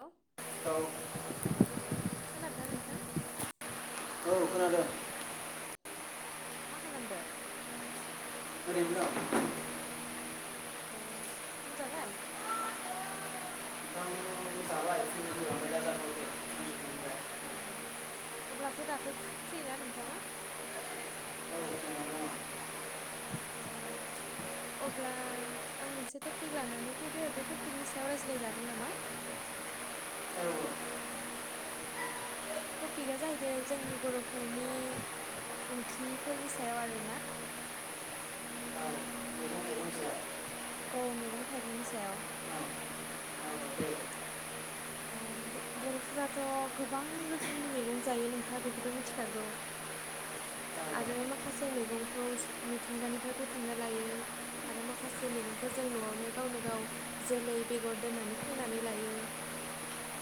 Hello औ खोनादोंना नोंथां औ खोनादों। मा खालामदो? ओरैनो दं। अ ओंखाम जाबाय? ओंखाम जाबाय फुंनिखौ जाबाय दा जाथ'आखै सानजौफुनिखौ अ अब्लाथ' दाथ' फ्रि ना नोंथाङा? औ मोजाङानो दङ अ अब्ला आं मोनसे टपिक लानानै फैदो बे टपिकनि सायाव रायज्लायजागोन नामा? [inaudible] औ टपिकआ जाहैदों जोंनि बर'फोरनि ओंख्रिफोरनि सायाव आरोना। [inaudible] मैगं थाइगं जाया औ दे औ औ मैगं थाइगंनि सायाव। अम बर'फोराथ' गोबां रोखोमनि मेगं जायो नोंथाङा बेखोथ' मिथिखागौ आरो माखासे मैगंखौस मिथिंगानिफाय बुथुमना लायो आरो माखासे मैगंखौ जों न'आवनो गावनो गाव जोलै बेगर दोननानै फोनानै लायो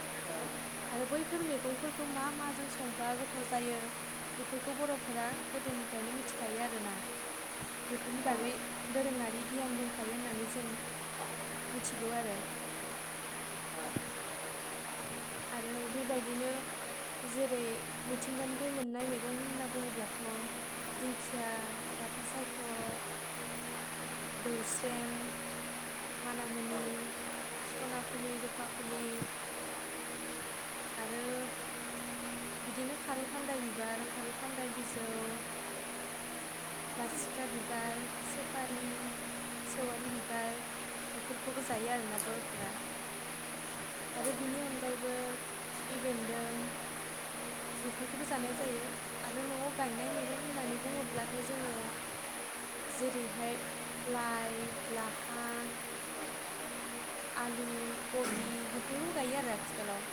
[inaudible] आरो बैफोर मैगंफोरखौ मा माजों संबा गोथाव जायो बेफोरखौ बर' फोरा गोदोनिफ्रायनो मिथिखायो आरोना बेफोरनि बागै दोरोङारि गियान दंखायो होननानै जों मिथिगौ आरो आरो बेबायदिनो जेरै मिथिंगानिफ्राय मोननाय मैगं होनना बुङोब्लाथ' दिंखिया लाफा सायख' दौस्रेम मानामुनि स'ना फुलि रुफाफुलि आरो बिदिनो खारौ खान्दाय बिबार खारौ खान्दाय बिजौ बासिखा बिबार सेपालि सेवालि बिबार बेफोरखौबो जायो आरोना बर'फोरा आरो बिनि अनगायैबो खिफि बेन्दों बेफोरखौबो जानाय जायो आरो न'आव गायनाय मैगं होननानै बुङोब्लाथ' जोङो जेरैहाय लाइ लाफा आलु कबि बेफोरखौबो गायो आरो आथिखालाव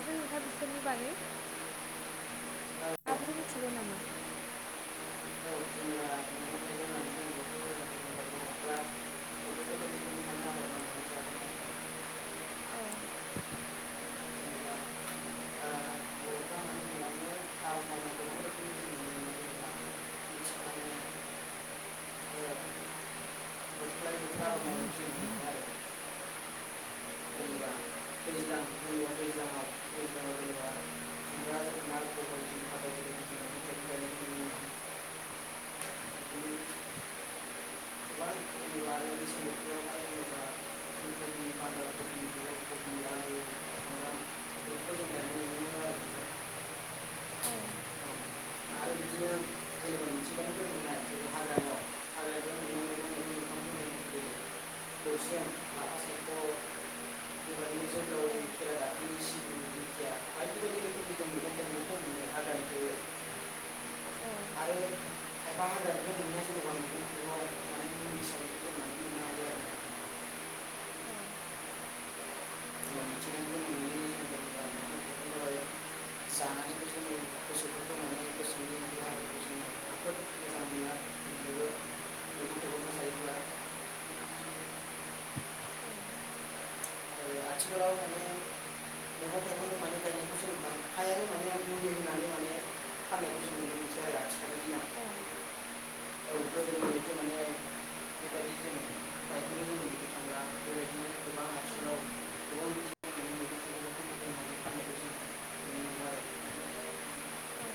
आरो नोंथाङा बेफोरनि बागै माफोर मिथिगौ नामा जोंना मैगं थाइगं होननानै बुङोब्लाथ' जोंना बर'फ्रा बेफोर बेबायदिनो मावना औ लानानै जानाय जेनेबा ओ बर'फ्रा माने न'आवनो आबाद मावनायखौ बेफोरबायदिनो जों नुनो मोनो आरोना मिथिखानाय ओ औ [unintelligible] औ औ [unintelligible] बेबायदिनो जोंनाव औ खेरा दाफिनि सिबिं दिंखिया बायदि बायदि रोखोमनि जों मैगं थाइगंखौ मोनो हाग्रानिफ्राय औ आरो [unintelligible] थाइगं माने मुलि हिसाबै दोननानै मोननो हायो औ आरो जों मिथिंगानिफ्राय मोननाय जेनेबा मैगं थाइगंफोरा [unintelligible] देहाफोरखौ जोङो जोबोद मोजां मोनो आरो बेबो मैगं थाइगंखौ जायोब्ला आरो औ आथिखालाव [unintelligible] [unintelligible] मोनसै आरो आथिखालनि दिनाव औ [unintelligible] [unintelligible] आथिखालाव गोबां बिथिंनि मैगं [unintelligible] औ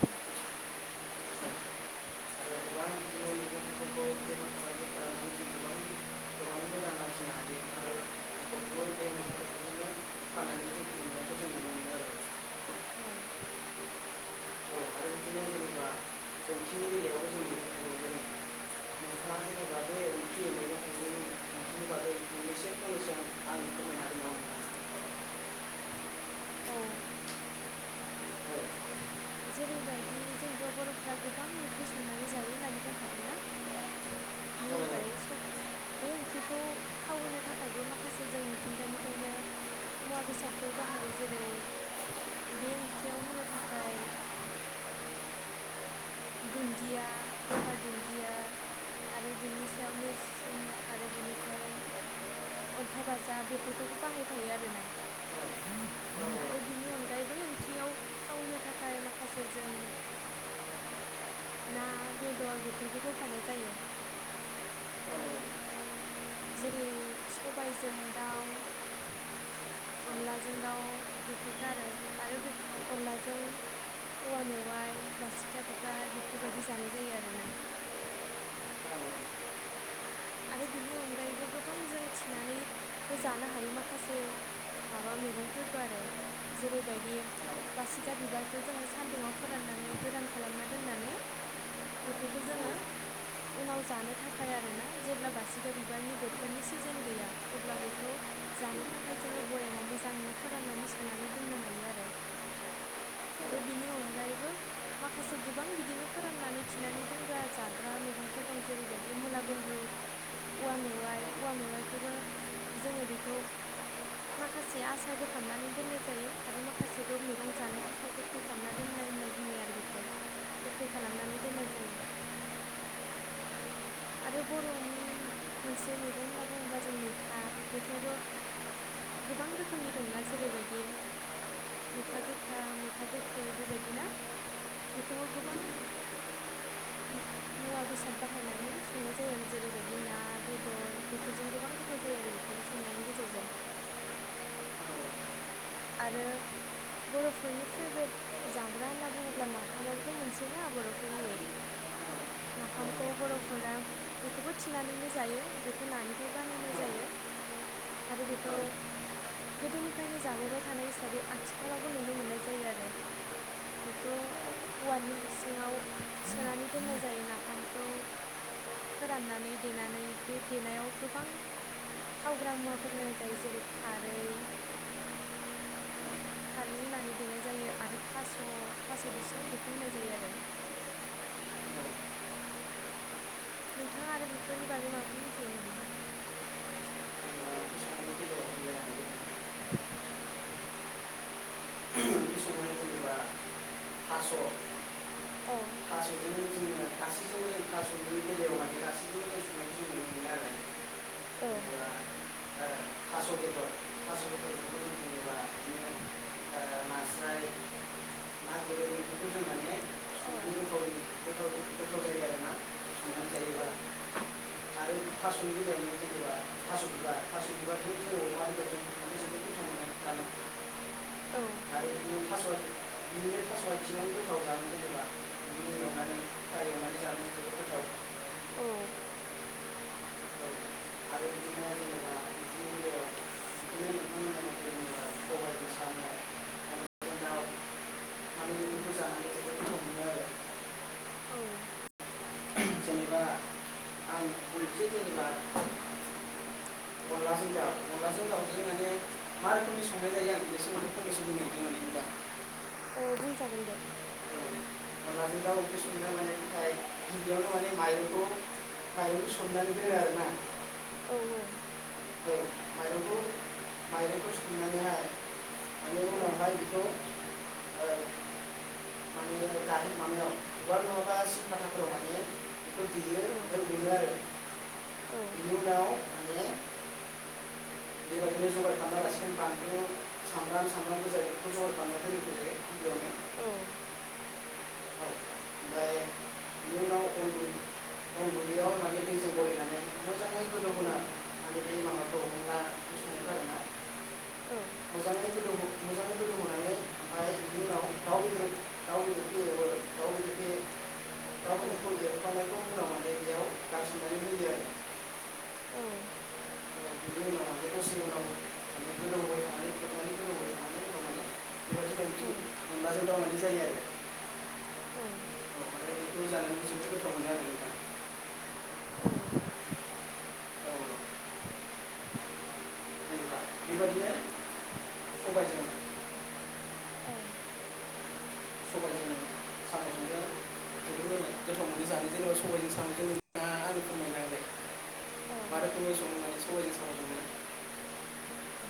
आरो आरो गोबां बिदिनो [unintelligible] जों गोबां गोबांनो रां आरजिनो हायो आरो बे मैगं थाइगंखौनो फाननानै जों खुंनायखौ जों नुनो मोनो आरो औ औ जेरैबायदि जोंथ' बर'फ्रा गोबां ओंख्रि संनानै जायो होननानै बुंखादोंना [unintelligible] बायि स' बे ओंख्रिखौ थाव होनो थाखायबो माखासे जों मिथिंगानिफायनो मुवा बेसादफोर बाहायो जेरै बे ओंख्रियाव होनो थाखाय दुन्दिया गंगार दुन्दिया आरो बिनि सायाव नेरसिं आरो बिनिफ्राय अन्थाइ बाजाब बेफोरखौबो बाहायफायो आरोना आरो बिनि अनगायै बै ओंख्रियाव थाव होनो थाखाय माखासे जों ना बेदर बेफोरखौ होफानाय जायो जेरै सबायजों दाउ अनलाजों दाउ बेफोरफोरखौ आरो आरो बे अनलाजों औवा मेवाइ बासेखा बिबार बेफोरबायदि जानाय जायो आरोना [inaudible] आरो बिनि अनगायैबो गोबां जों थिनानैबो जानो हायो माखासे माबा मैगंफोरखौ आरो जेरैबायदि बासिगा बिबारखौ जोङो सान्दुुङाव फोराननानै गोरान खालामना दोननानै बेफोरखौ जोङो उनाव जानो थाखाय आरोना जेब्ला बासिगा बिबारनि बोथोरनि सिजोन गैया अब्ला बेखौ जानो थाखाय जोङो भयामाव मोजां मोजांनो फोराननानै सोनानै दोननो हायो आरो आरो बिनि अनगायैबो माखासे गोबां बिदिनो फोराननानै थिनानै दोनग्रा जाग्रा मैगंफोर फोर दं जेरैबायदि मुला गुन्द्रुग औवा मेवाइ औवा मेवाइखौबो जोङो बेखौ माखासेया आसार बोखामनानै दोननाय जायो आरो माखासेखौ मैगं जानो थाखाय गोखै खालामना दोन नाय होननाय बुङो आरो बेखौ गोखै खालामनानै दोननाय जायो आरो बर'नि नि मोनसे मैगं होनना बुङोब्ला जों मैथा मैथायाथ' गोबां रोखोमनि दंना जेरैबायदि मैथा गोखा मैथा गोखै बेबायदि ना बेखौबो गोबां मुवा बेसाद बाहायनानै संनाय जायो आरो जेरैबायदि बिदि ना बेदर बेफोरजों गोबां गोथाव जायो आरो बेफोरफोरखौ संनायनि गेजेरजों [inaudible] आरो बर'फोरनि फ्रेभरेट जाग्रा होनना बुङोब्ला नाफामाबोथ' मोनसे ना बर'फोरनि नाफामखौ बर'फोरा बेखौबो थिनानैनो जायो बेखौ नानिफ्राय बानायनाय जायो आरो बेखौ गोदोनिफ्रायनो जाबोबाय थानाय हिसाबै आथिखालावबो नुनो मोननाय जायो आरो बेखौ औवानि हासुङाव सोनानै दोननाय जायो नाफामखौ फोराननानै देनानै बे देनायाव गोबां थावग्रा मुवाफोर होनाय जायो जेरै खारै खारै होनानै देनाय जायो आरो थास' थास' बिसं बेखौ होनाय जायो आरो [inaudible] नोंथाङा आरो बेफोरनि बागै माबाफोर मिथिगौ नामा [unintelligible] जोङो गासैबो क्लाासनि औ बेलायाव गासैबो समनाय जों नुनो मोनो आरो औ थास' बेदर थास' बेदर बेखौ बो [inaudible] औ [unintelligible] [unintelligible] औ आरो थास' [unintelligible] थास' बिबार औ [unintelligible] [unintelligible] [unintelligible] औ [unintelligible] जेनेबा सबायजों साम' [unintelligible] आरो ओं बेफोरखौ जानानै जोबोर गोथाव मोनो आरो औ जेनेबा आं मोनसे जेनेबा [unintelligible] अनलाजों दाउ अनलाजों दाउजों माने मा रोखोमनि संनाय जायो आं बेनि सोमोन्दै फनैसो बुंनो नागिरदों आरो खि आं दा [unintelligible] औ बुंजागोन दे मानो दा अफिस मोननो मानाय नथाय [unintelligible] गिबियावनो माने माइरंखौ माइरंखौ सोमनानै दोनो आरोना औ औ माइरंखौ माइरंखौ सोमनानैहाय माने औ उनावहाय बेखौ [unintelligible] गाषा [unintelligible] बिखौ देयो आमफाय औ उनो आरो औ बिनि उनाव माने [unintelligible] बेबायदिनो जगार खालामना लासिगोन बानलु सामब्राम सामब्राम गोजाखौ बेखौ जगार खालानामनानै गिबियावनो औ [unintelligible] बिनि उनाव आं अनगुदैयाव माने दैजों गलायनानै मोजाङै औ गोदौहोना बे औ मोजाङैनोदङ उनाव दाउ बेदर दाउ गाव औ बेखौ लेरफानायखौ बुंनांगौ दि बेयाव गारसिननानै होयो आरो [unintelligible] खथि औ मोनलााजों दावनाय जायो आरो [unintelligible] औ जानो जोबोद गोथावो आरो नोंथां आरो नोंथां औ जेनेबा बेबायदिनो सबायजों औ सबायजों साम'जोंबो जोबोद गोथाव मोनो जानो जेनेबा सबायजों सामजों ना औ मा रोखोमै सङो माने सबायजों साम'जोंनो औ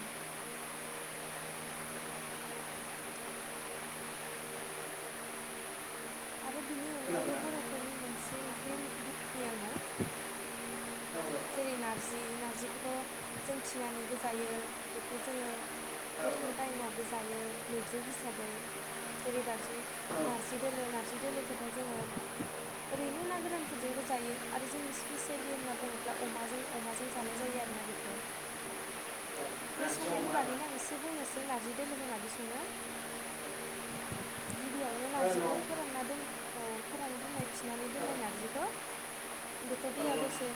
आरो बिनि अनगायैबो खोनाबायना बर'फोरनि मोनसे ओंख्रि बुंनि आंङो औ जेरै नारजि नारजिखौथ' जों थिनानैबो जायो बेखौ जोङो औ गोथां टाइमावबो जायो मैद्रु हिसाबै जेरै बारजि औ नारजि दोलो नारजि दोलोखौथ' जोङो ओरैनो ना गोरानफोरजोंबो जायो आरो जोंनि स्पेसियेलि होनना बुङोब्ला अब्ला अमाजों अमाजों जानाय जायो आरोना बेखौ बे नारजि संनायनि अमा आरोना बागैनो आं एसे बुंनोसै नारजि दोलोखौ मादि सङो औ गिबियावनो नारजिखौ फोरानना दोन औ फोराननानै दोननाय थिनानै दोननाय नारजिखौ बेखौ दैयाव दसे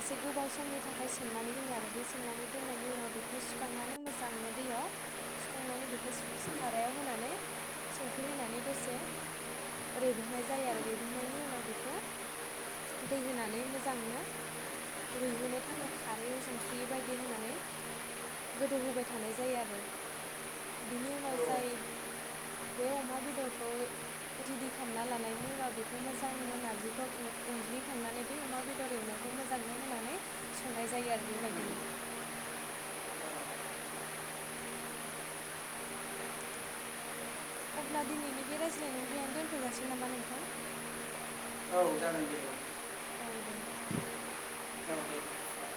एसे गोबाव समनि थाखाय सोमनानै दोनो आरो बे सोमनानै दोननायनि उनाव बेखौ सुखांनानै मोजांनो दैयाव सुखांनानै बेखौ सारायाव होनानै संख्रि होनानै दसे रेबहोनाय जायो आरो रेबहोनायनि उनाव बेखौ दै होनानै मोजांनो रुइहोनो थाखाय खारै संख्रि बायदि होनानै गोदौहोबाय थानाय जायो आरो बिनि उनाव जाय बे अमा बेदरखौ रेडि खालामना लानायनि उनाव बेखौ मोजांनो नारजिखौ ओं उनग्लिखांनानै बै अमा बेदर एवनाय खौ मोजांनो होनानै संनाय जायो आरो बेबायदिनो। अब्ला दिनैनि बे रायज्लायनायखौ बेहायनो दोनथ'जासिगोन नामा नोंथां? औ जागोन दे। औ दे। औ दे।